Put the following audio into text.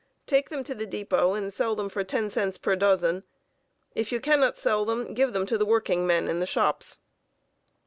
Take them to the depot and sell them for 10 cents per dozen. If you cannot sell them, give them to the workingmen in the shops."